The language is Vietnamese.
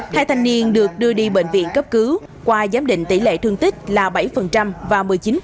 hai thanh niên được đưa đi bệnh viện cấp cứu qua giám định tỷ lệ thương tích là bảy và một mươi chín